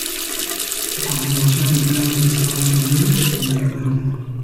A continuación vivió en los Estados Unidos y en Alemania.